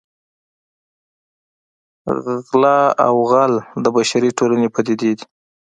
غلا او غل د بشري ټولنې پدیدې دي